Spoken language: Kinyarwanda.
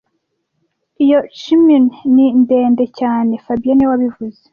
Iyo chimney ni ndende cyane fabien niwe wabivuze